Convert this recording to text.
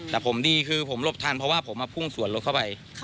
แต่ผมดีคือผมหลบทันเพราะว่าผมพุ่งสวนรถเข้าไป